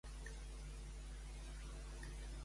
No utilitzeu pesticides, per favor.